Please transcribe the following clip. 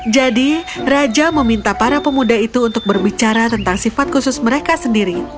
jadi raja meminta para pemuda itu untuk berbicara tentang sifat khusus mereka sendiri